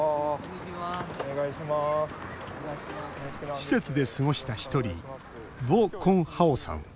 施設で過ごした１人ヴォ・コン・ハオさん。